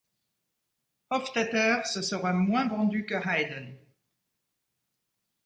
Hofftetter se serait moins vendu que Haydn.